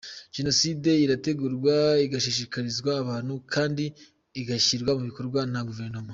Jenoside irategurwa, igashishikarizwa abantu kandi igashyirwa mu bikorwa na Guverinoma.